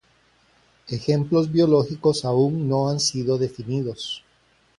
Ejemplos biológicos aún no han sido definidos.